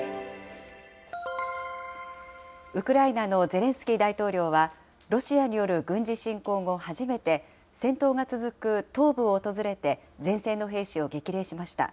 ウクライナのゼレンスキー大統領は、ロシアによる軍事侵攻後初めて、戦闘が続く東部を訪れて、前線の兵士を激励しました。